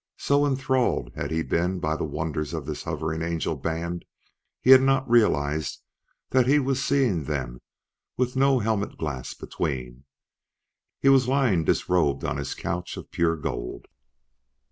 So enthralled had he been by the wonder of this hovering angel band he had not realized that he was seeing them with no helmet glass between; he was lying disrobed on his couch of pure gold.